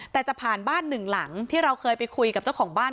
แต่จะผ่านบ้านหนึ่งหลังที่เราเคยไปคุยกับเจ้าของบ้าน